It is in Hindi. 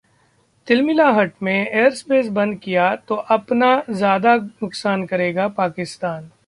तिलमिलाहट में एयरस्पेस बंद किया तो अपना ज्यादा नुकसान करेगा पाकिस्तान